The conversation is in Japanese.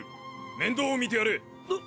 面倒を見てやれ。っ！